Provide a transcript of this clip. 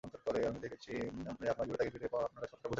আমি দেখেছি যে আপনার জীবনে তাকে ফিরে পাওয়া আপনার কাছে কতটা বোঝায়।